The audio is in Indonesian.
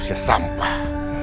berserah manusia sampah